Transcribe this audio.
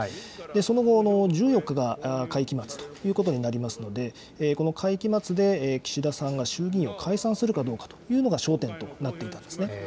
その後、１４日が会期末ということになりますので、この会期末で、岸田さんが衆議院を解散するかどうかというのが焦点となっていたんですね。